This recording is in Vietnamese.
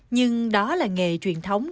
nhưng đó là nghề truyền thống